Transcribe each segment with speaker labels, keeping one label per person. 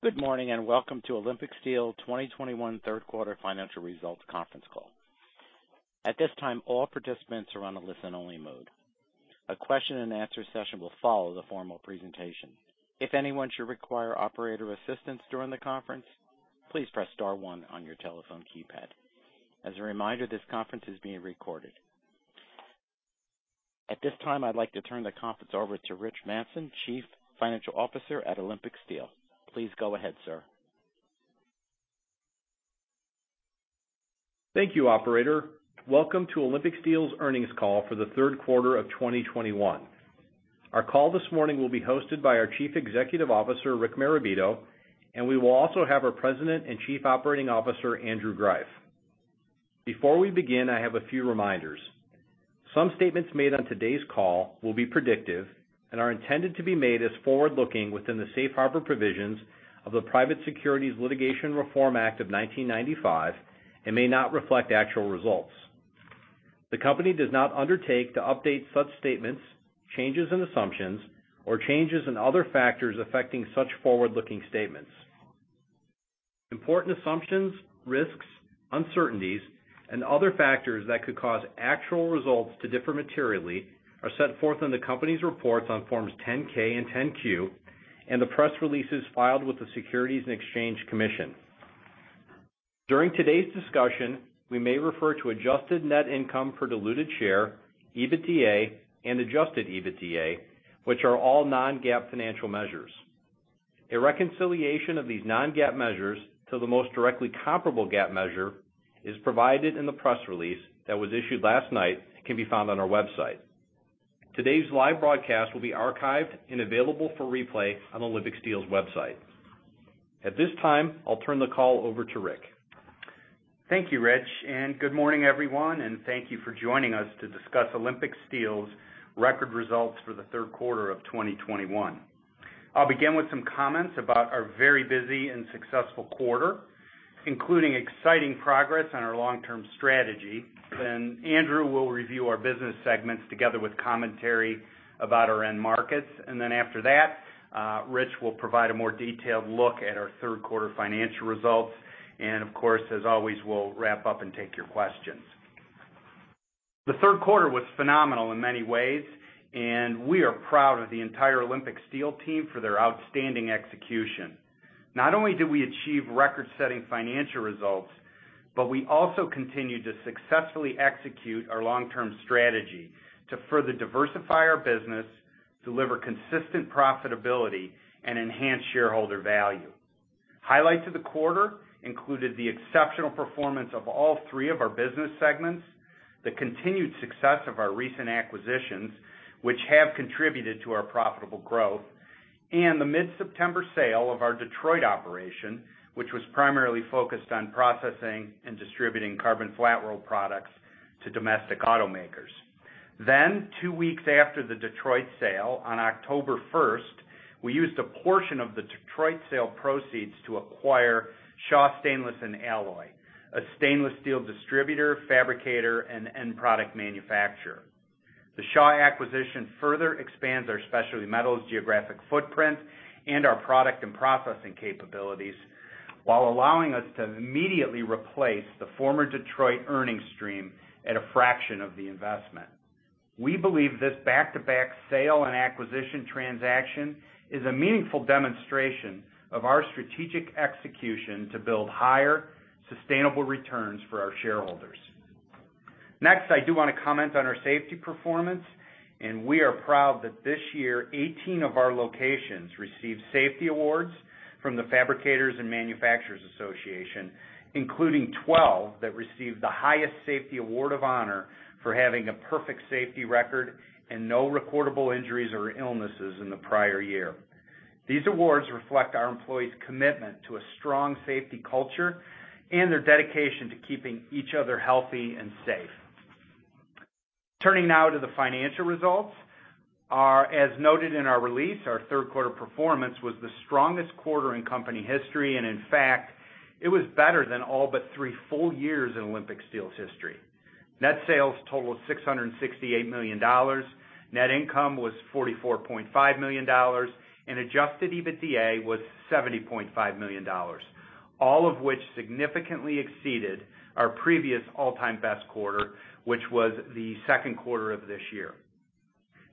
Speaker 1: Good morning, and welcome to Olympic Steel 2021 Third Quarter Financial Results Conference Call. At this time, all participants are on a listen-only mode. A question and answer session will follow the formal presentation. If anyone should require operator assistance during the conference, please press star one on your telephone keypad. As a reminder, this conference is being recorded. At this time, I'd like to turn the conference over to Rich Manson, Chief Financial Officer at Olympic Steel. Please go ahead, sir.
Speaker 2: Thank you, operator. Welcome to Olympic Steel's earnings call for the third quarter of 2021. Our call this morning will be hosted by our Chief Executive Officer, Rick Marabito, and we will also have our President and Chief Operating Officer, Andrew Greiff. Before we begin, I have a few reminders. Some statements made on today's call will be predictive and are intended to be made as forward-looking within the safe harbor provisions of the Private Securities Litigation Reform Act of 1995 and may not reflect actual results. The company does not undertake to update such statements, changes in assumptions, or changes in other factors affecting such forward-looking statements. Important assumptions, risks, uncertainties, and other factors that could cause actual results to differ materially are set forth in the company's reports on Forms 10-K,and 10-Q, and the press releases filed with the Securities and Exchange Commission. During today's discussion, we may refer to adjusted net income per diluted share, EBITDA, and adjusted EBITDA, which are all non-GAAP financial measures. A reconciliation of these non-GAAP measures to the most directly comparable GAAP measure is provided in the press release that was issued last night and can be found on our website. Today's live broadcast will be archived and available for replay on Olympic Steel's website. At this time, I'll turn the call over to Rick.
Speaker 3: Thank you, Rich, and good morning, everyone, and thank you for joining us to discuss Olympic Steel's record results for the third quarter of 2021. I'll begin with some comments about our very busy and successful quarter, including exciting progress on our long-term strategy. Andrew will review our business segments together with commentary about our end markets. After that, Rich will provide a more detailed look at our third quarter financial results. Of course, as always, we'll wrap up and take your questions. The third quarter was phenomenal in many ways, and we are proud of the entire Olympic Steel team for their outstanding execution. Not only did we achieve record-setting financial results, but we also continued to successfully execute our long-term strategy to further diversify our business, deliver consistent profitability, and enhance shareholder value. Highlights of the quarter included the exceptional performance of all three of our business segments, the continued success of our recent acquisitions, which have contributed to our profitable growth, and the mid-September sale of our Detroit operation, which was primarily focused on processing and distributing carbon flat-rolled products to domestic automakers. Two weeks after the Detroit sale, on October first, we used a portion of the Detroit sale proceeds to acquire Shaw Stainless & Alloy, a stainless steel distributor, fabricator, and end product manufacturer. The Shaw acquisition further expands our specialty metals geographic footprint and our product and processing capabilities while allowing us to immediately replace the former Detroit earnings stream at a fraction of the investment. We believe this back-to-back sale and acquisition transaction is a meaningful demonstration of our strategic execution to build higher sustainable returns for our shareholders. Next, I do wanna comment on our safety performance, and we are proud that this year 18 of our locations received safety awards from the Fabricators and Manufacturers Association, including 12 that received the highest safety award of honor for having a perfect safety record and no recordable injuries or illnesses in the prior year. These awards reflect our employees' commitment to a strong safety culture and their dedication to keeping each other healthy and safe. Turning now to the financial results. As noted in our release, our third quarter performance was the strongest quarter in company history, and in fact, it was better than all but three full years in Olympic Steel's history. Net sales totaled $668 million. Net income was $44.5 million. Adjusted EBITDA was $70.5 million, all of which significantly exceeded our previous all-time best quarter, which was the second quarter of this year.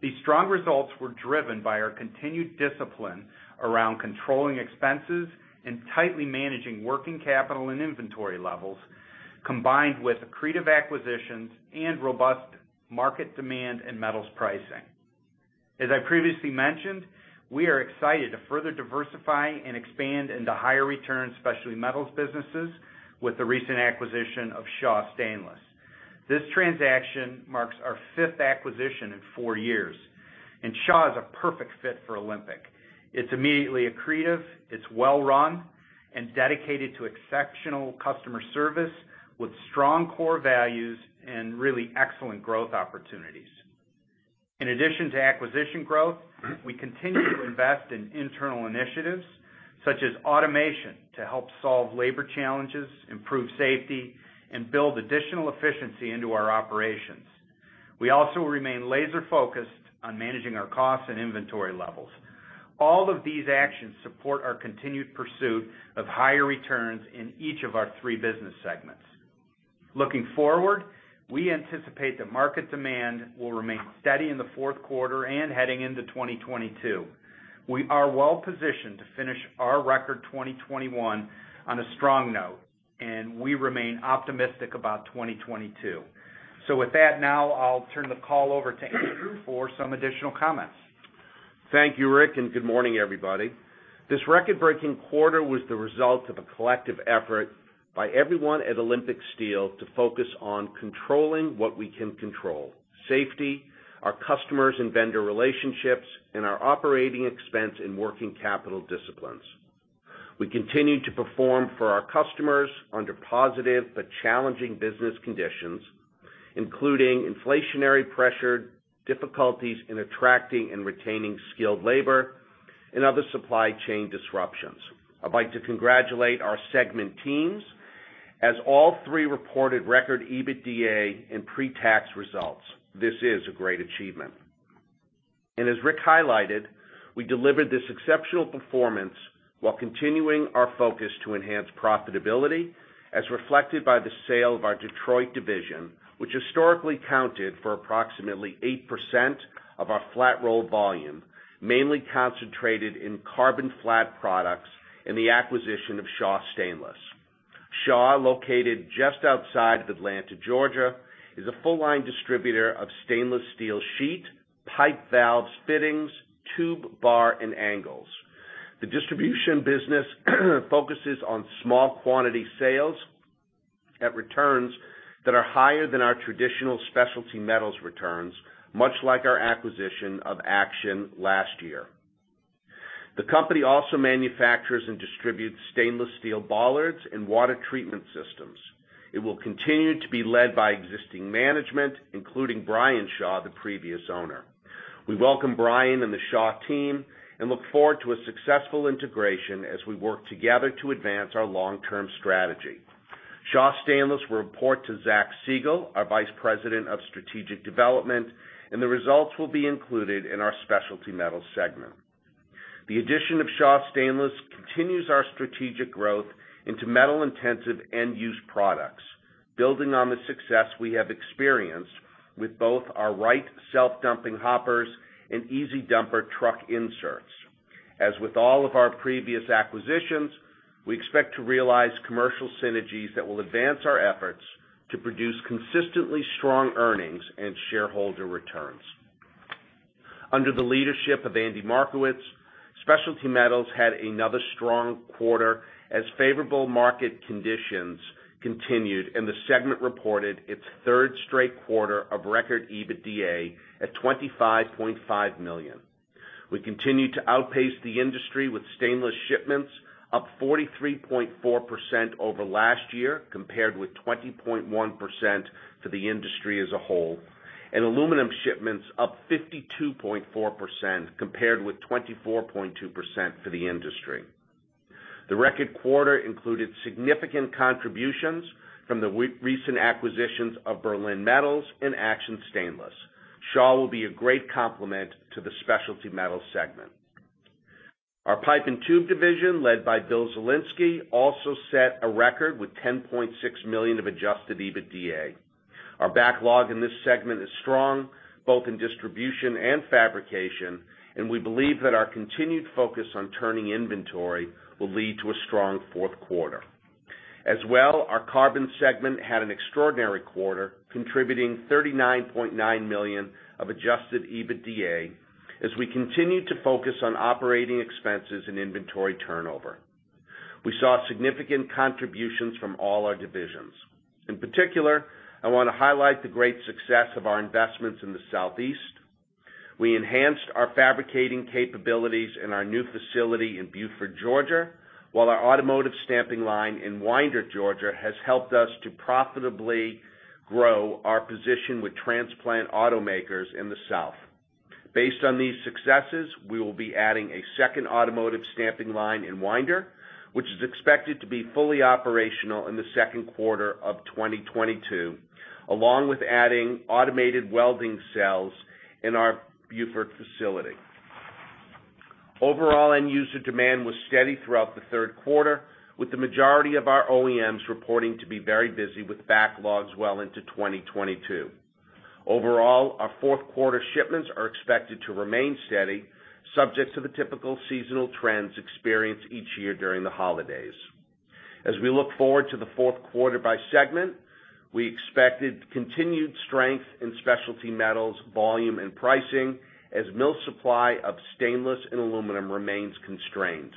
Speaker 3: These strong results were driven by our continued discipline around controlling expenses and tightly managing working capital and inventory levels, combined with accretive acquisitions and robust market demand and metals pricing. As I previously mentioned, we are excited to further diversify and expand into higher return specialty metals businesses with the recent acquisition of Shaw Stainless. This transaction marks our fifth acquisition in four years, and Shaw is a perfect fit for Olympic. It's immediately accretive, it's well run, and dedicated to exceptional customer service with strong core values and really excellent growth opportunities. In addition to acquisition growth, we continue to invest in internal initiatives such as automation to help solve labor challenges, improve safety, and build additional efficiency into our operations. We also remain laser focused on managing our costs and inventory levels. All of these actions support our continued pursuit of higher returns in each of our three business segments. Looking forward, we anticipate that market demand will remain steady in the fourth quarter and heading into 2022. We are well positioned to finish our record 2021 on a strong note, and we remain optimistic about 2022. With that, now I'll turn the call over to Andrew for some additional comments.
Speaker 4: Thank you, Rick, and good morning, everybody. This record-breaking quarter was the result of a collective effort by everyone at Olympic Steel to focus on controlling what we can control, safety, our customers and vendor relationships, and our operating expense and working capital disciplines. We continue to perform for our customers under positive but challenging business conditions, including inflationary pressure, difficulties in attracting and retaining skilled labor, and other supply chain disruptions. I'd like to congratulate our segment teams as all three reported record EBITDA and pre-tax results. This is a great achievement. As Rick highlighted, we delivered this exceptional performance while continuing our focus to enhance profitability, as reflected by the sale of our Detroit division, which historically accounted for approximately 8% of our flat roll volume, mainly concentrated in carbon flat products and the acquisition of Shaw Stainless & Alloy. Shaw Stainless & Alloy, located just outside of Atlanta, Georgia, is a full line distributor of stainless steel sheet, pipe, valves, fittings, tube, bar, and angles. The distribution business focuses on small quantity sales at returns that are higher than our traditional specialty metals returns, much like our acquisition of Action last year. The company also manufactures and distributes stainless steel bollards and water treatment systems. It will continue to be led by existing management, including Bryan Shaw, the previous owner. We welcome Bryan and the Shaw team and look forward to a successful integration as we work together to advance our long-term strategy. Shaw Stainless & Alloy will report to Zach Siegal, our Vice President of Strategic Development, and the results will be included in our specialty metals segment. The addition of Shaw Stainless & Alloy continues our strategic growth into metal-intensive end-use products, building on the success we have experienced with both our Wright self-dumping hoppers and EZ-Dumper truck inserts. As with all of our previous acquisitions, we expect to realize commercial synergies that will advance our efforts to produce consistently strong earnings and shareholder returns. Under the leadership of Andy Markowitz, Specialty Metals had another strong quarter as favorable market conditions continued, and the segment reported its third straight quarter of record EBITDA of $25.5 million. We continue to outpace the industry with stainless shipments up 43.4% over last year, compared with 20.1% for the industry as a whole, and aluminum shipments up 52.4% compared with 24.2% for the industry. The record quarter included significant contributions from the recent acquisitions of Berlin Metals and Action Stainless. Shaw will be a great complement to the specialty metals segment. Our pipe and tube division, led by Bill Zielinski, also set a record with $10.6 million of adjusted EBITDA. Our backlog in this segment is strong, both in distribution and fabrication, and we believe that our continued focus on turning inventory will lead to a strong fourth quarter. As well, our carbon segment had an extraordinary quarter, contributing $39.9 million of adjusted EBITDA as we continued to focus on operating expenses and inventory turnover. We saw significant contributions from all our divisions. In particular, I want to highlight the great success of our investments in the Southeast. We enhanced our fabricating capabilities in our new facility in Buford, Georgia, while our automotive stamping line in Winder, Georgia, has helped us to profitably grow our position with transplant automakers in the South. Based on these successes, we will be adding a second automotive stamping line in Winder, which is expected to be fully operational in the second quarter of 2022, along with adding automated welding cells in our Buford facility. Overall, end user demand was steady throughout the third quarter, with the majority of our OEMs reporting to be very busy with backlogs well into 2022. Overall, our fourth quarter shipments are expected to remain steady, subject to the typical seasonal trends experienced each year during the holidays. As we look forward to the fourth quarter by segment, we expected continued strength in Specialty Metals volume and pricing as mill supply of stainless and aluminum remains constrained.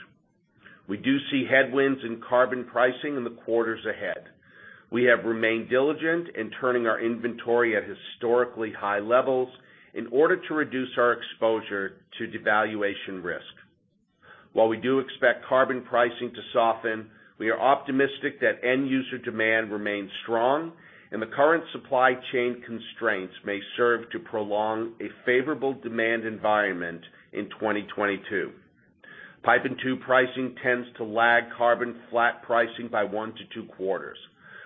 Speaker 4: We do see headwinds in Carbon pricing in the quarters ahead. We have remained diligent in turning our inventory at historically high levels in order to reduce our exposure to devaluation risk. While we do expect Carbon pricing to soften, we are optimistic that end user demand remains strong and the current supply chain constraints may serve to prolong a favorable demand environment in 2022. Pipe and Tube pricing tends to lag Carbon Flat pricing by 1-2 quarters.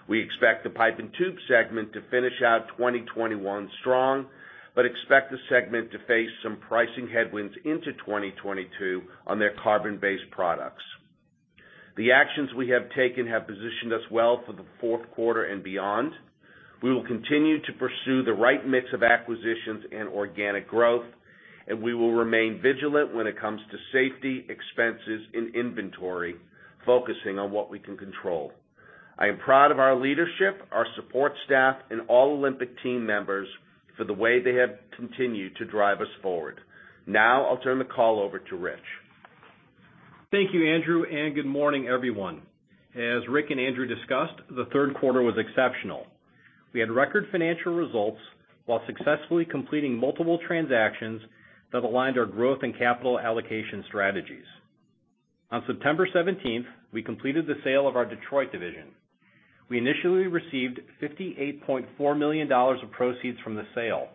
Speaker 4: We expect the Pipe and Tube segment to finish out 2021 strong, but expect the segment to face some pricing headwinds into 2022 on their carbon-based products. The actions we have taken have positioned us well for the fourth quarter and beyond. We will continue to pursue the right mix of acquisitions and organic growth, and we will remain vigilant when it comes to safety, expenses, and inventory, focusing on what we can control. I am proud of our leadership, our support staff, and all Olympic team members for the way they have continued to drive us forward. Now I'll turn the call over to Rich.
Speaker 2: Thank you, Andrew, and good morning, everyone. As Rick and Andrew discussed, the third quarter was exceptional. We had record financial results while successfully completing multiple transactions that aligned our growth and capital allocation strategies. On September seventeenth, we completed the sale of our Detroit division. We initially received $58.4 million of proceeds from the sale.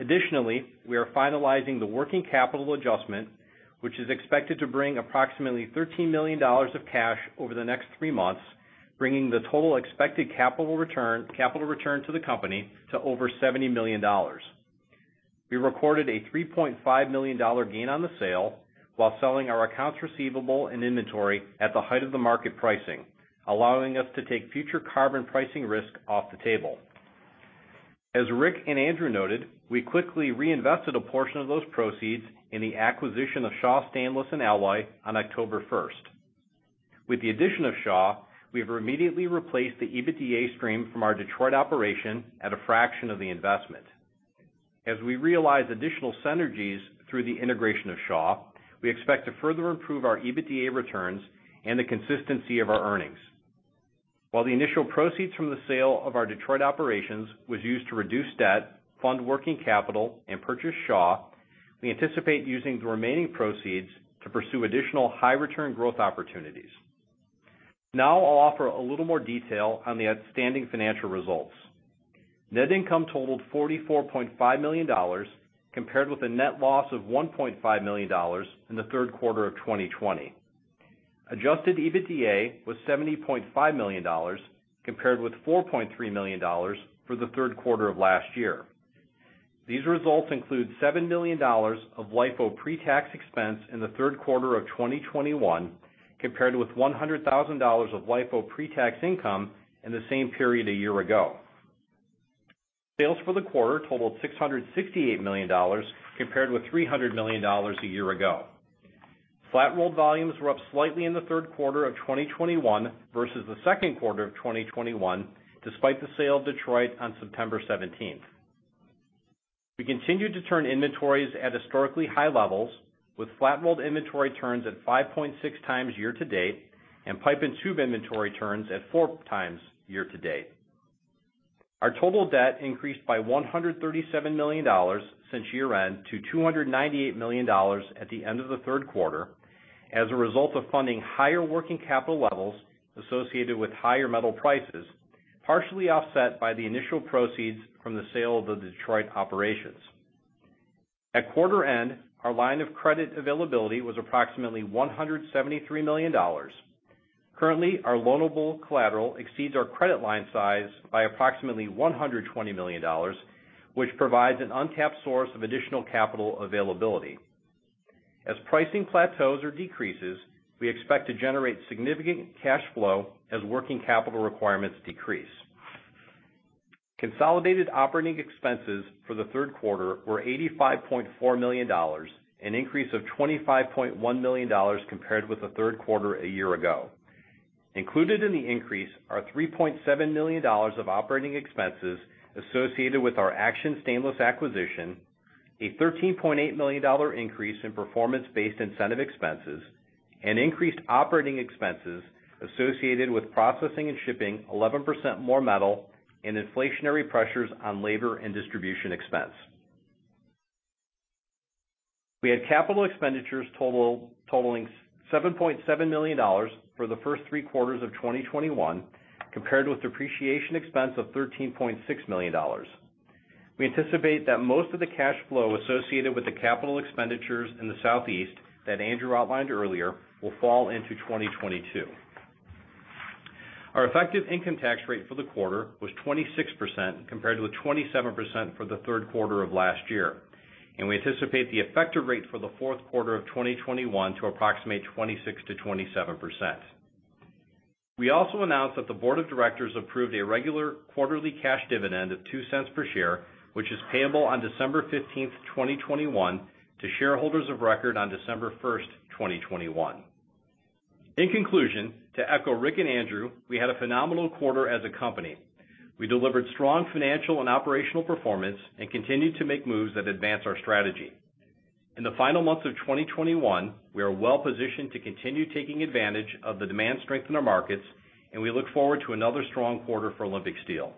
Speaker 2: Additionally, we are finalizing the working capital adjustment, which is expected to bring approximately $13 million of cash over the next three months, bringing the total expected capital return to the company to over $70 million. We recorded a $3.5 million gain on the sale while selling our accounts receivable and inventory at the height of the market pricing, allowing us to take future carbon pricing risk off the table. As Rick and Andrew noted, we quickly reinvested a portion of those proceeds in the acquisition of Shaw Stainless & Alloy on October first. With the addition of Shaw, we have immediately replaced the EBITDA stream from our Detroit operation at a fraction of the investment. As we realize additional synergies through the integration of Shaw, we expect to further improve our EBITDA returns and the consistency of our earnings. While the initial proceeds from the sale of our Detroit operations was used to reduce debt, fund working capital, and purchase Shaw, we anticipate using the remaining proceeds to pursue additional high return growth opportunities. Now I'll offer a little more detail on the outstanding financial results. Net income totaled $44.5 million, compared with a net loss of $1.5 million in the third quarter of 2020. Adjusted EBITDA was $70.5 million, compared with $4.3 million for the third quarter of last year. These results include $7 million of LIFO pre-tax expense in the third quarter of 2021, compared with $100,000 of LIFO pre-tax income in the same period a year ago. Sales for the quarter totaled $668 million, compared with $300 million a year ago. Flat rolled volumes were up slightly in the third quarter of 2021 versus the second quarter of 2021, despite the sale of Detroit on September 17. We continued to turn inventories at historically high levels, with flat rolled inventory turns at 5.6 times year to date, and pipe and tube inventory turns at 4 times year to date. Our total debt increased by $137 million since year-end to $298 million at the end of the third quarter as a result of funding higher working capital levels associated with higher metal prices, partially offset by the initial proceeds from the sale of the Detroit operations. At quarter end, our line of credit availability was approximately $173 million. Currently, our loanable collateral exceeds our credit line size by approximately $120 million, which provides an untapped source of additional capital availability. As pricing plateaus or decreases, we expect to generate significant cash flow as working capital requirements decrease. Consolidated operating expenses for the third quarter were $85.4 million, an increase of $25.1 million compared with the third quarter a year ago. Included in the increase are $3.7 million of operating expenses associated with our Action Stainless & Alloys acquisition, a $13.8 million increase in performance-based incentive expenses, and increased operating expenses associated with processing and shipping 11% more metal and inflationary pressures on labor and distribution expense. We had capital expenditures totaling $7.7 million for the first three quarters of 2021, compared with depreciation expense of $13.6 million. We anticipate that most of the cash flow associated with the capital expenditures in the Southeast that Andrew outlined earlier will fall into 2022. Our effective income tax rate for the quarter was 26%, compared to 27% for the third quarter of last year. We anticipate the effective rate for the fourth quarter of 2021 to approximate 26%-27%. We also announced that the board of directors approved a regular quarterly cash dividend of $0.02 per share, which is payable on December 15, 2021 to shareholders of record on December 1, 2021. In conclusion, to echo Rick and Andrew, we had a phenomenal quarter as a company. We delivered strong financial and operational performance and continued to make moves that advance our strategy. In the final months of 2021, we are well positioned to continue taking advantage of the demand strength in our markets, and we look forward to another strong quarter for Olympic Steel.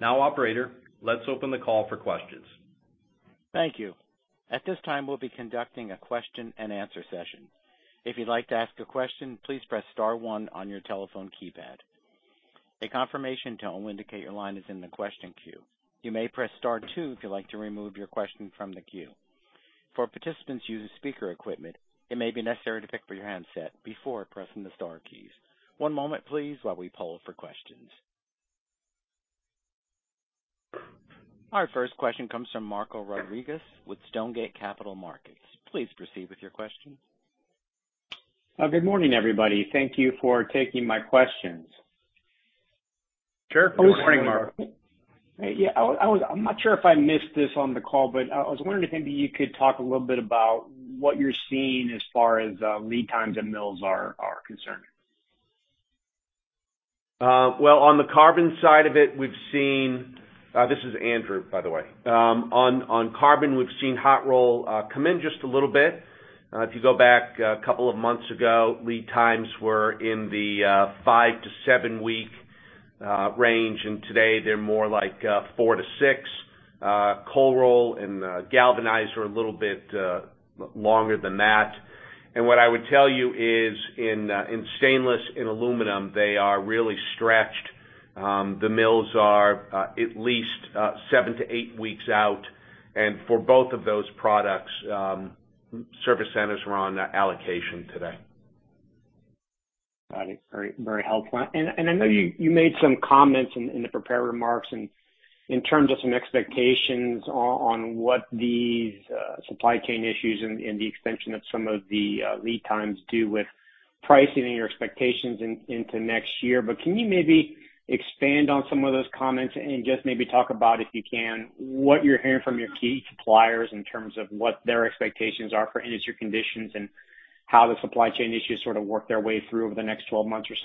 Speaker 2: Now, operator, let's open the call for questions.
Speaker 1: Thank you. At this time, we'll be conducting a question and answer session. If you'd like to ask a question, please press star one on your telephone keypad. A confirmation tone will indicate your line is in the question queue. You may press star two if you'd like to remove your question from the queue. For participants using speaker equipment, it may be necessary to pick up your handset before pressing the star keys. One moment please, while we poll for questions. Our first question comes from Marco Rodriguez with Stonegate Capital Markets. Please proceed with your question.
Speaker 5: Good morning, everybody. Thank you for taking my questions.
Speaker 3: Sure. Good morning, Marco.
Speaker 5: Yeah. I was. I'm not sure if I missed this on the call, but I was wondering if maybe you could talk a little bit about what you're seeing as far as lead times in mills are concerned?
Speaker 4: This is Andrew, by the way. On carbon, we've seen hot roll come in just a little bit. If you go back a couple of months ago, lead times were in the five-seven week range, and today they're more like four-six. Cold roll and galvanize are a little bit longer than that. What I would tell you is in stainless and aluminum, they are really stretched. The mills are at least seven-eight weeks out. For both of those products, service centers are on allocation today.
Speaker 5: Got it. Very helpful. I know you made some comments in the prepared remarks in terms of some expectations on what these supply chain issues and the extension of some of the lead times do with pricing and your expectations into next year, but can you maybe expand on some of those comments and just maybe talk about, if you can, what you're hearing from your key suppliers in terms of what their expectations are for industry conditions and how the supply chain issues sort of work their way through over the next twelve months or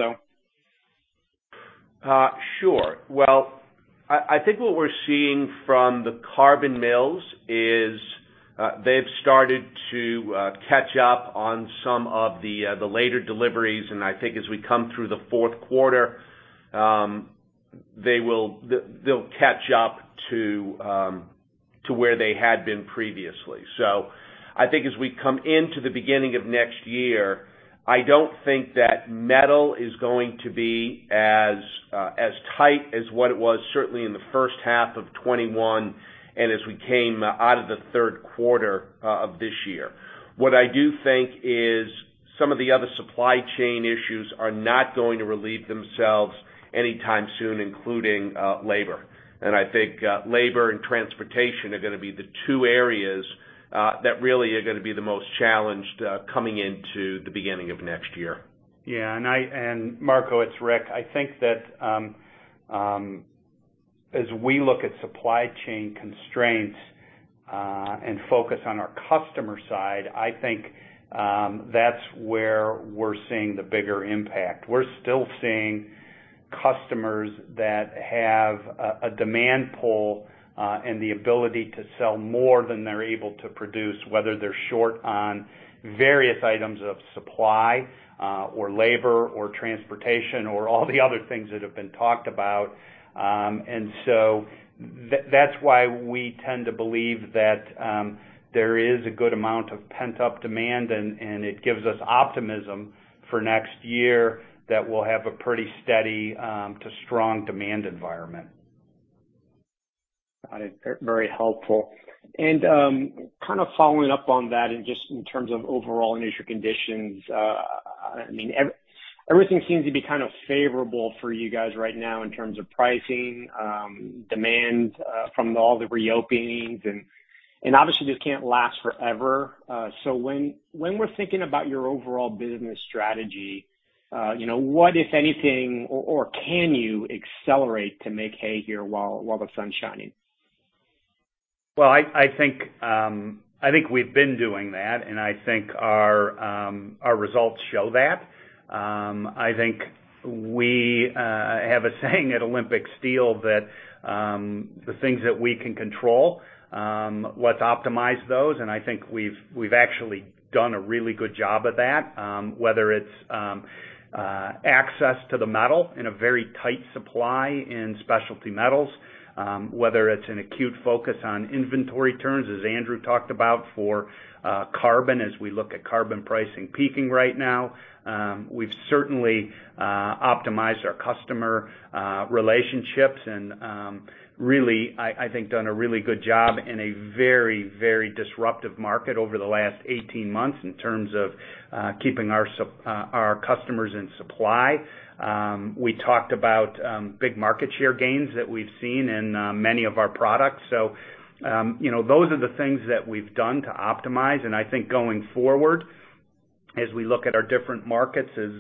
Speaker 5: so?
Speaker 4: Sure. Well, I think what we're seeing from the carbon mills is, they've started to catch up on some of the later deliveries. I think as we come through the fourth quarter, they'll catch up to where they had been previously. I think as we come into the beginning of next year, I don't think that metal is going to be as tight as what it was certainly in the first half of 2021, and as we came out of the third quarter of this year. What I do think is some of the other supply chain issues are not going to relieve themselves anytime soon, including labor. I think labor and transportation are gonna be the two areas that really are gonna be the most challenged coming into the beginning of next year.
Speaker 3: Yeah. Marco, it's Rick. I think that as we look at supply chain constraints and focus on our customer side, I think that's where we're seeing the bigger impact. We're still seeing customers that have a demand pull and the ability to sell more than they're able to produce, whether they're short on various items of supply or labor or transportation or all the other things that have been talked about. That's why we tend to believe that there is a good amount of pent-up demand, and it gives us optimism for next year that we'll have a pretty steady to strong demand environment.
Speaker 5: Got it. Very helpful. Kind of following up on that and just in terms of overall industry conditions, I mean, everything seems to be kind of favorable for you guys right now in terms of pricing, demand, from all the reopening's. Obviously this can't last forever. When we're thinking about your overall business strategy, you know, what, if anything, or can you accelerate to make hay here while the sun's shining?
Speaker 3: I think we've been doing that, and I think our results show that. I think we have a saying at Olympic Steel that the things that we can control, let's optimize those, and I think we've actually done a really good job of that. Whether it's access to the metal in a very tight supply in Specialty Metals. Whether it's an acute focus on inventory turns, as Andrew talked about for Carbon as we look at carbon pricing peaking right now. We've certainly optimized our customer relationships and really I think done a really good job in a very disruptive market over the last 18 months in terms of keeping our customers in supply. We talked about big market share gains that we've seen in many of our products. You know, those are the things that we've done to optimize. I think going forward, as we look at our different markets, as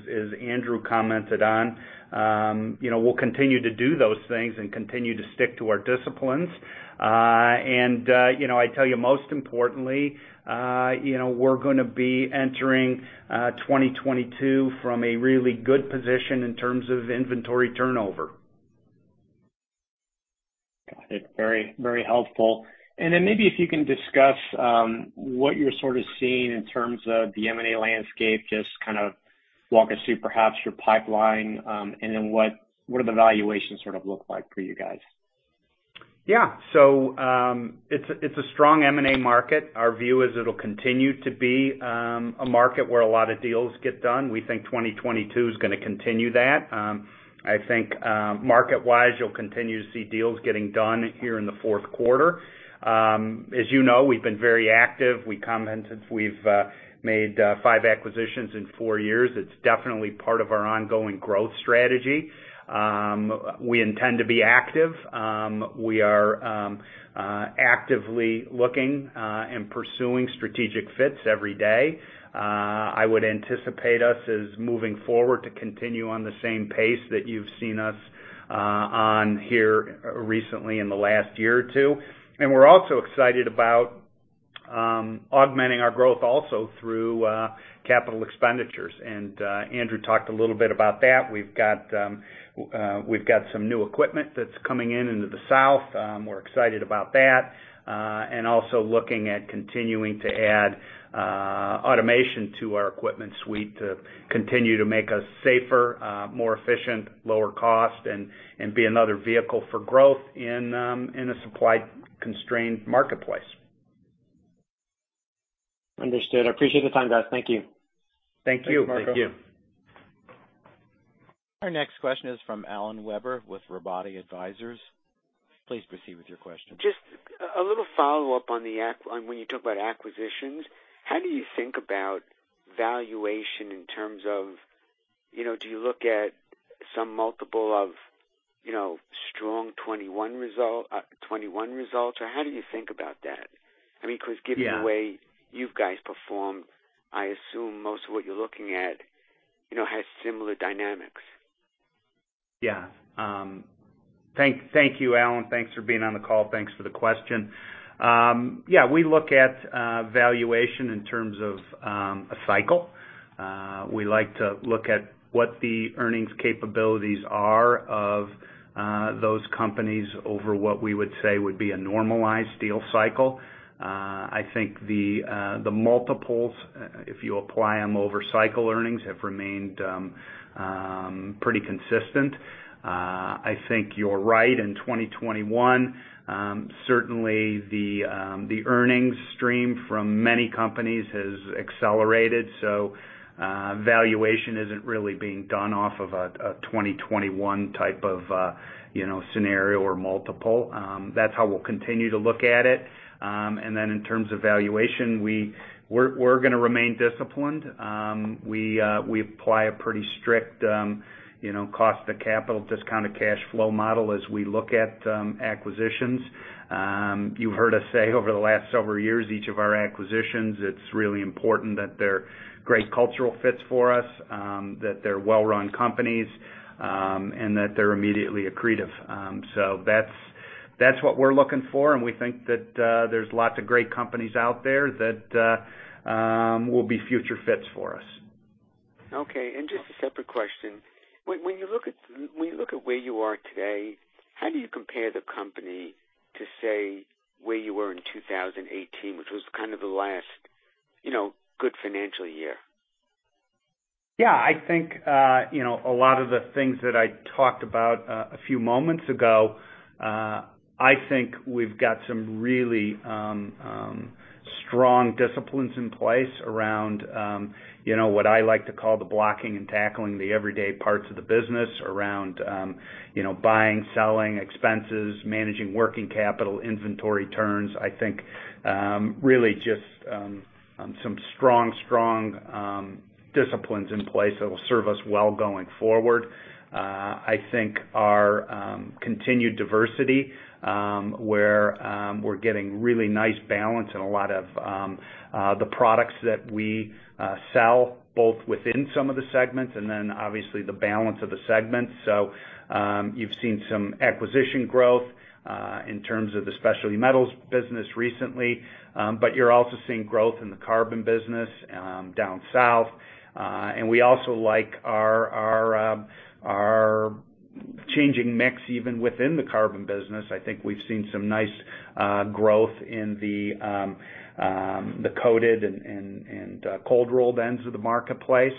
Speaker 3: Andrew commented on, you know, we'll continue to do those things and continue to stick to our disciplines. You know, I tell you most importantly, you know, we're gonna be entering 2022 from a really good position in terms of inventory turnover.
Speaker 5: Got it. Very, very helpful. Maybe if you can discuss what you're sort of seeing in terms of the M&A landscape, just kind of walk us through perhaps your pipeline, and then what do the valuations sort of look like for you guys?
Speaker 3: Yeah, it's a strong M&A market. Our view is it'll continue to be a market where a lot of deals get done. We think 2022 is gonna continue that. I think, market-wise, you'll continue to see deals getting done here in the fourth quarter. As you know, we've been very active. We commented we've made five acquisitions in four years. It's definitely part of our ongoing growth strategy. We intend to be active. We are actively looking and pursuing strategic fits every day. I would anticipate us as moving forward to continue on the same pace that you've seen us on here recently in the last year or two. We're also excited about augmenting our growth also through capital expenditures. Andrew talked a little bit about that. We've got some new equipment that's coming in into the South. We're excited about that. Also looking at continuing to add automation to our equipment suite to continue to make us safer, more efficient, lower cost, and be another vehicle for growth in a supply-constrained marketplace.
Speaker 5: Understood. I appreciate the time, guys. Thank you.
Speaker 3: Thank you.
Speaker 4: Thank you.
Speaker 1: Our next question is from Alan Weber with Robotti & Company Advisors, Please proceed with your question.
Speaker 6: Just a little follow-up on when you talk about acquisitions, how do you think about valuation in terms of, you know, do you look at some multiple of, you know, strong 2021 results? Or how do you think about that? I mean, 'cause given-
Speaker 3: Yeah.
Speaker 6: The way you guys perform, I assume most of what you're looking at, you know, has similar dynamics.
Speaker 3: Yeah. Thank you, Alan. Thanks for being on the call. Thanks for the question. Yeah, we look at valuation in terms of a cycle. We like to look at what the earnings capabilities are of those companies over what we would say would be a normalized steel cycle. I think the multiples, if you apply them over cycle earnings, have remained pretty consistent. I think you're right. In 2021, certainly the earnings stream from many companies has accelerated, so valuation isn't really being done off of a 2021 type of you know scenario or multiple. That's how we'll continue to look at it. In terms of valuation, we're gonna remain disciplined. We apply a pretty strict, you know, cost of capital discounted cash flow model as we look at acquisitions. You've heard us say over the last several years, each of our acquisitions, it's really important that they're great cultural fits for us, that they're well-run companies, and that they're immediately accretive. That's what we're looking for, and we think that there's lots of great companies out there that will be future fits for us.
Speaker 6: Okay. Just a separate question. When you look at where you are today, how do you compare the company to, say, where you were in 2018, which was kind of the last, you know, good financial year?
Speaker 3: Yeah. I think you know a lot of the things that I talked about a few moments ago, I think we've got some really strong disciplines in place around you know what I like to call the blocking and tackling the everyday parts of the business around you know buying, selling, expenses, managing working capital, inventory turns. I think really just some strong disciplines in place that will serve us well going forward. I think our continued diversity where we're getting really nice balance in a lot of the products that we sell both within some of the segments and then obviously the balance of the segments. You've seen some acquisition growth in terms of the specialty metals business recently, but you're also seeing growth in the carbon business down south. We also like our changing mix even within the carbon business. I think we've seen some nice growth in the coated and cold-rolled ends of the marketplace.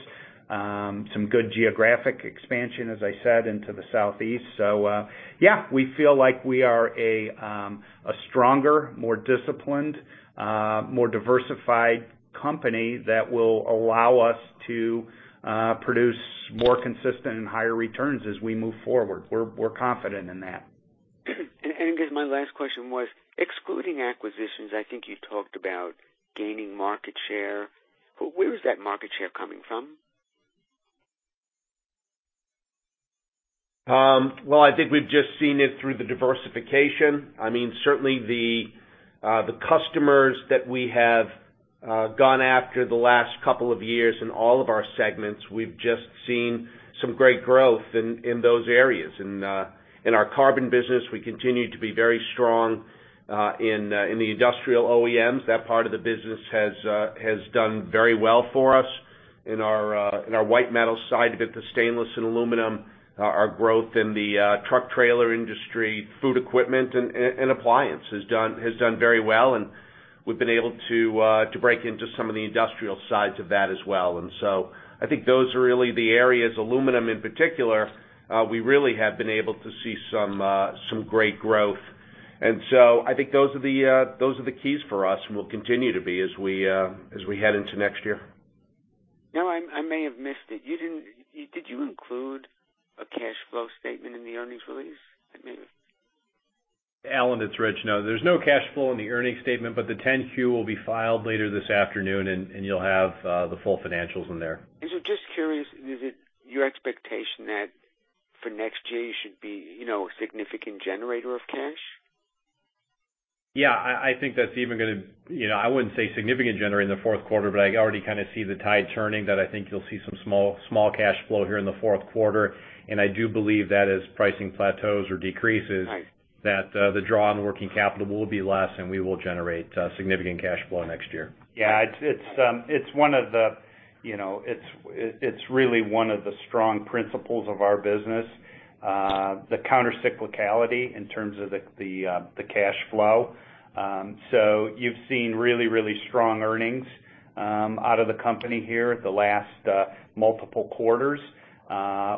Speaker 3: Some good geographic expansion, as I said, into the southeast. Yeah, we feel like we are a stronger, more disciplined, more diversified company that will allow us to produce more consistent and higher returns as we move forward. We're confident in that.
Speaker 6: I guess my last question was excluding acquisitions, I think you talked about gaining market share. Where is that market share coming from?
Speaker 3: Well, I think we've just seen it through the diversification. I mean, certainly the customers that we have gone after the last couple of years in all of our segments, we've just seen some great growth in those areas. In our carbon business, we continue to be very strong in the industrial OEMs. That part of the business has done very well for us. In our white metals side of it, the stainless and aluminum, our growth in the truck trailer industry, food equipment and appliance has done very well. We've been able to break into some of the industrial sides of that as well. I think those are really the areas. Aluminum in particular, we really have been able to see some great growth. I think those are the keys for us, and will continue to be as we head into next year.
Speaker 6: Now, I may have missed it. You didn't. Did you include a cash flow statement in the earnings release? I may have
Speaker 2: Alan, it's Rich. No, there's no cash flow in the earnings statement, but the 10-Q, will be filed later this afternoon, and you'll have the full financials in there.
Speaker 6: Just curious, is it your expectation that for next year you should be, you know, a significant generator of cash?
Speaker 2: Yeah, I think that's even gonna. You know, I wouldn't say significant generator in the fourth quarter, but I already kind of see the tide turning, that I think you'll see some small cash flow here in the fourth quarter. I do believe that as pricing plateaus or decreases.
Speaker 6: Right
Speaker 4: That, the draw on working capital will be less, and we will generate, significant cash flow next year.
Speaker 3: Yeah, it's one of the, you know, it's really one of the strong principles of our business, the counter-cyclicality in terms of the cash flow. So you've seen really strong earnings out of the company here the last multiple quarters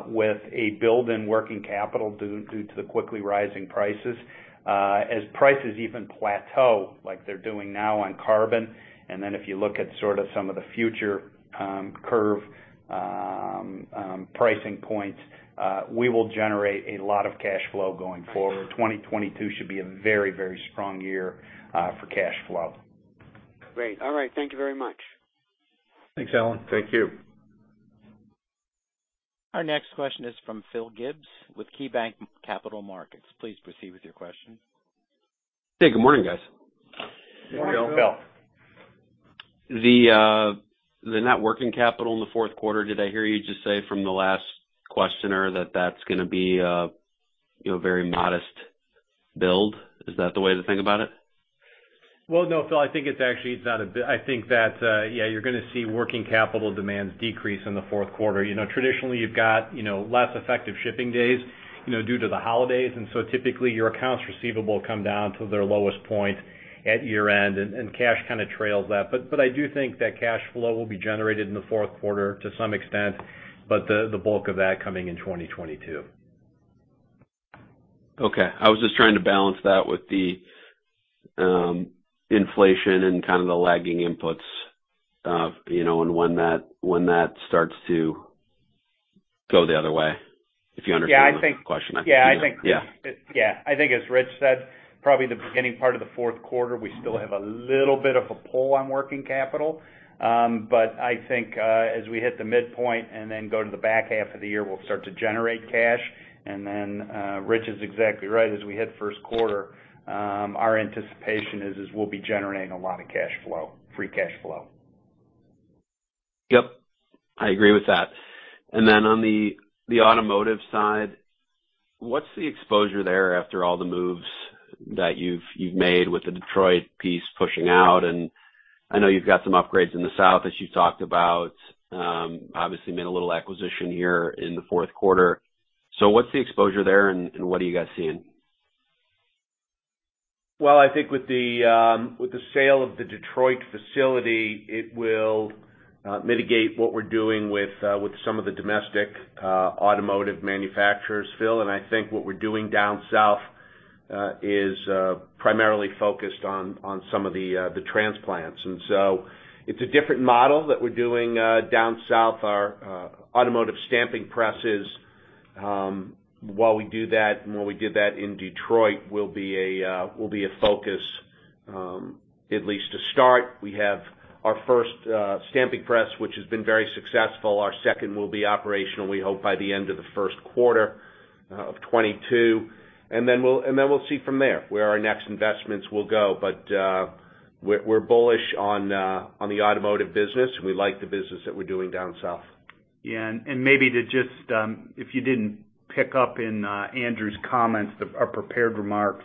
Speaker 3: with a build in working capital due to the quickly rising prices. As prices even plateau like they're doing now on carbon, and then if you look at sort of some of the future curve pricing points, we will generate a lot of cash flow going forward. 2022 should be a very strong year for cash flow.
Speaker 6: Great. All right, thank you very much.
Speaker 4: Thanks, Alan.
Speaker 3: Thank you.
Speaker 1: Our next question is from Philip Gibbs with KeyBanc Capital Markets. Please proceed with your question.
Speaker 7: Hey, good morning, guys.
Speaker 4: Good morning, Phil.
Speaker 3: Phil.
Speaker 7: The net working capital in the fourth quarter, did I hear you just say from the last questioner that that's gonna be a, you know, very modest build? Is that the way to think about it?
Speaker 2: Well, no, Phil, I think it's actually. I think that you're gonna see working capital demands decrease in the fourth quarter. You know, traditionally, you've got, you know, less effective shipping days, you know, due to the holidays. Typically, your accounts receivable come down to their lowest point at year-end, and cash kind of trails that. I do think that cash flow will be generated in the fourth quarter to some extent, but the bulk of that coming in 2022.
Speaker 7: Okay. I was just trying to balance that with the inflation and kind of the lagging inputs of, you know, and when that starts to go the other way, if you understand what question I think.
Speaker 3: Yeah, I think.
Speaker 7: Yeah.
Speaker 3: Yeah. I think as Rich said, probably the beginning part of the fourth quarter, we still have a little bit of a pull on working capital. I think, as we hit the midpoint and then go to the back half of the year, we'll start to generate cash. Rich is exactly right. As we hit first quarter, our anticipation is we'll be generating a lot of cash flow, free cash flow.
Speaker 7: Yep. I agree with that. On the automotive side, what's the exposure there after all the moves that you've made with the Detroit piece pushing out? I know you've got some upgrades in the South as you talked about. Obviously made a little acquisition here in the fourth quarter. What's the exposure there, and what are you guys seeing?
Speaker 4: Well, I think with the sale of the Detroit facility, it will mitigate what we're doing with some of the domestic automotive manufacturers, Phil. I think what we're doing down South is primarily focused on some of the transplants. It's a different model that we're doing down South. Our automotive stamping presses, while we do that, and when we did that in Detroit, will be a focus at least to start. We have our first stamping press, which has been very successful. Our second will be operational, we hope, by the end of the first quarter of 2022. We'll see from there where our next investments will go. We're bullish on the automotive business. We like the business that we're doing down South.
Speaker 3: Yeah. Maybe to just, if you didn't pick up in Andrew Greiff's comments, our prepared remarks,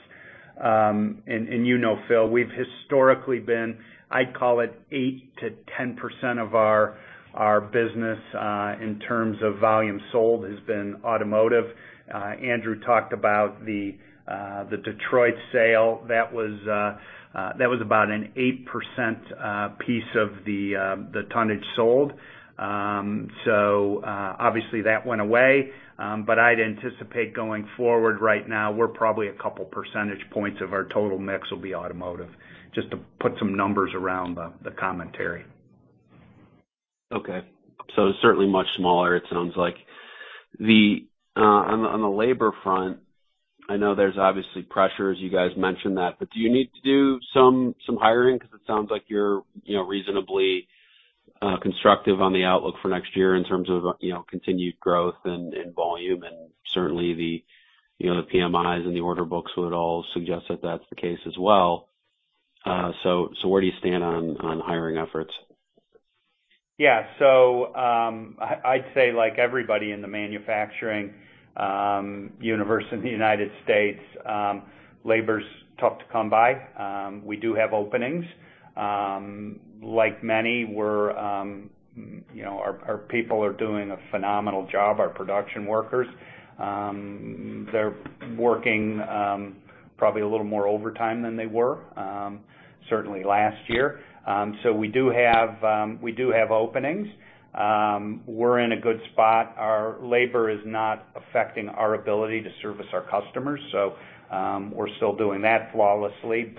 Speaker 3: and you know, Phil, we've historically been, I'd call it 8%-10% of our business in terms of volume sold has been automotive. Andrew Greiff talked about the Detroit sale. That was about an 8% piece of the tonnage sold. Obviously, that went away. I'd anticipate going forward right now, we're probably a couple percentage points of our total mix will be automotive, just to put some numbers around the commentary.
Speaker 7: Okay. Certainly much smaller, it sounds like. On the labor front, I know there's obviously pressures, you guys mentioned that, but do you need to do some hiring? 'Cause it sounds like you're, you know, reasonably constructive on the outlook for next year in terms of, you know, continued growth and volume. Certainly the, you know, the PMIs and the order books would all suggest that that's the case as well. So where do you stand on hiring efforts?
Speaker 3: I'd say like everybody in the manufacturing universe in the United States, labor's tough to come by. We do have openings. Like many, we're you know our people are doing a phenomenal job, our production workers. They're working probably a little more overtime than they were, certainly last year. We do have openings. We're in a good spot. Our labor is not affecting our ability to service our customers, so we're still doing that flawlessly.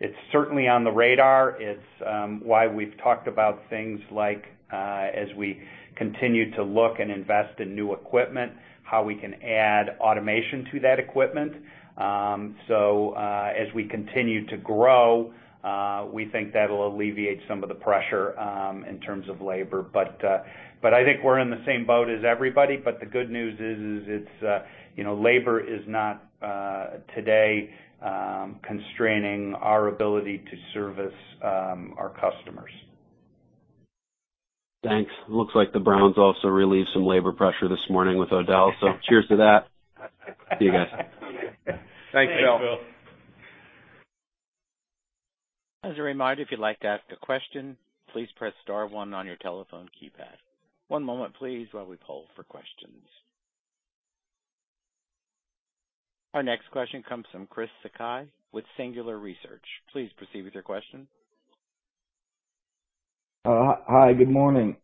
Speaker 3: It's certainly on the radar. It's why we've talked about things like, as we continue to look and invest in new equipment, how we can add automation to that equipment. As we continue to grow, we think that'll alleviate some of the pressure in terms of labor. I think we're in the same boat as everybody. The good news is, it's you know, labor is not today constraining our ability to service our customers.
Speaker 7: Thanks. Looks like the Browns also relieved some labor pressure this morning with Odell, so cheers to that. See you guys.
Speaker 3: Thanks, Bill.
Speaker 1: As a reminder, if you'd like to ask a question, please press star one on your telephone keypad. One moment, please, while we poll for questions. Our next question comes from Christopher Sakai with Singular Research. Please proceed with your question.
Speaker 8: Hi. Good morning.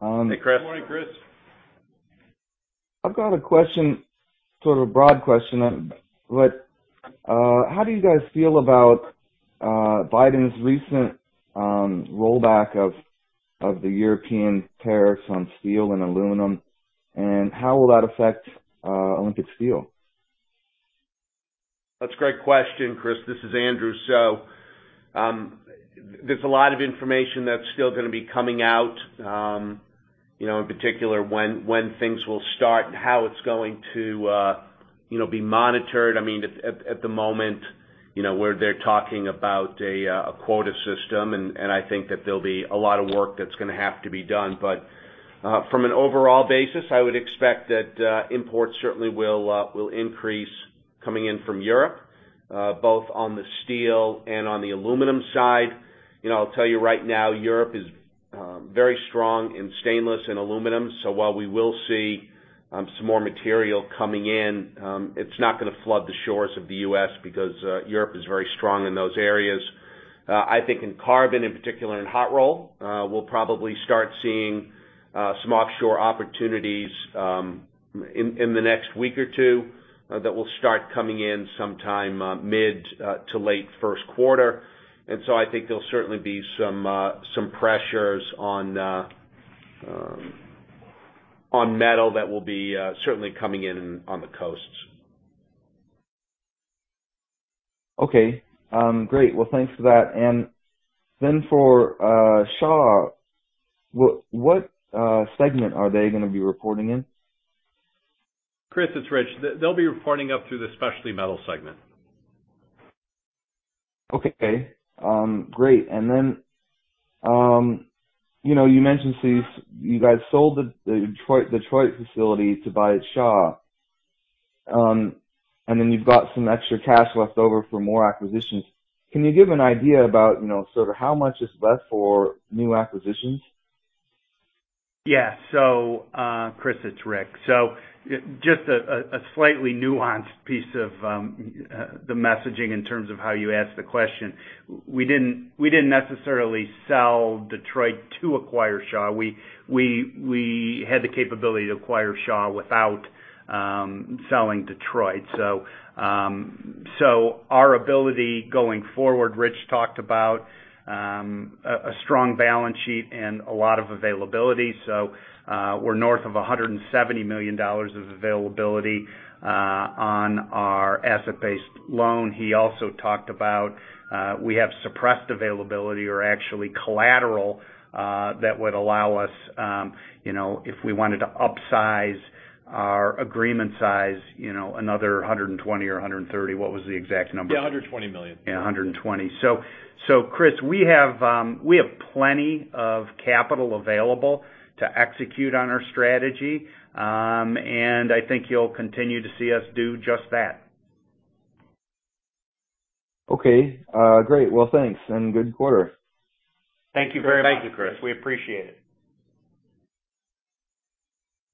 Speaker 3: Hey, Chris.
Speaker 2: Good morning, Chris.
Speaker 8: I've got a question, sort of a broad question. How do you guys feel about Biden's recent rollback of the European tariffs on steel and aluminum, and how will that affect Olympic Steel?
Speaker 4: That's a great question, Chris. This is Andrew. There's a lot of information that's still gonna be coming out, you know, in particular when things will start and how it's going to, you know, be monitored. I mean, at the moment, you know, where they're talking about a quota system and I think that there'll be a lot of work that's gonna have to be done. From an overall basis, I would expect that imports certainly will increase coming in from Europe, both on the steel and on the aluminum side. You know, I'll tell you right now, Europe is very strong in stainless and aluminum, so while we will see some more material coming in, it's not gonna flood the shores of the U.S. because Europe is very strong in those areas. I think in carbon in particular in hot roll, we'll probably start seeing some offshore opportunities in the next week or two that will start coming in sometime mid to late first quarter. I think there'll certainly be some pressures on metal that will be certainly coming in on the coasts.
Speaker 8: Okay. Great. Well, thanks for that. For Shaw, what segment are they gonna be reporting in?
Speaker 2: Chris, it's Rich. They'll be reporting up through the specialty metals segment.
Speaker 8: Okay. Great. You mentioned, so you guys sold the Detroit facility to buy Shaw. You've got some extra cash left over for more acquisitions. Can you give an idea about sort of how much is left for new acquisitions?
Speaker 3: Yeah, Chris, it's Rick. Just a slightly nuanced piece of the messaging in terms of how you ask the question. We didn't necessarily sell Detroit to acquire Shaw. We had the capability to acquire Shaw without selling Detroit. Our ability going forward, Rich talked about a strong balance sheet and a lot of availability. We're north of $170 million of availability on our asset-based loan. He also talked about we have suppressed availability or actually collateral that would allow us, you know, if we wanted to upsize our agreement size, you know, another $120 million or $130 million.
Speaker 8: What was the exact number?
Speaker 4: Yeah, $120 million.
Speaker 3: Yeah, 120. Chris, we have plenty of capital available to execute on our strategy. I think you'll continue to see us do just that.
Speaker 8: Okay. Great. Well, thanks. Good quarter.
Speaker 3: Thank you very much, Chris. We appreciate it.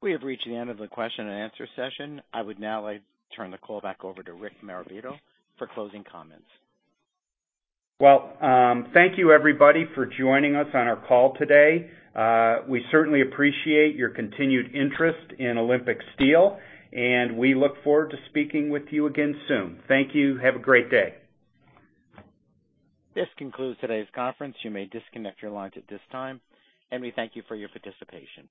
Speaker 1: We have reached the end of the question and answer session. I would now like to turn the call back over to Rick Marabito for closing comments.
Speaker 3: Well, thank you, everybody, for joining us on our call today. We certainly appreciate your continued interest in Olympic Steel, and we look forward to speaking with you again soon. Thank you. Have a great day.
Speaker 1: This concludes today's conference. You may disconnect your lines at this time, and we thank you for your participation.